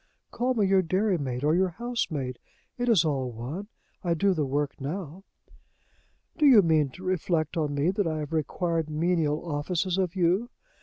Call me your dairymaid or your housemaid. It is all one I do the work now." "Do you mean to reflect on me that I have required menial offices of you?